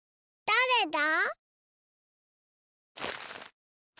だれだ？